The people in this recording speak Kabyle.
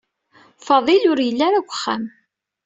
Faḍil ur yelli ara deg uxxam.